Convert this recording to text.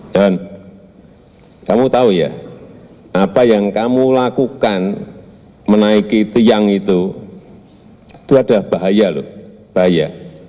dan kamu tahu ya apa yang kamu lakukan menaiki tiang itu itu ada bahaya loh bahaya